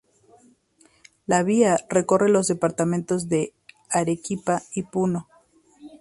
La vía recorre los departamentos de Arequipa y Puno.